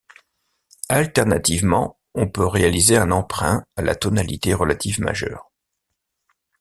Alternativement, on peut réaliser un emprunt à la tonalité relative majeure.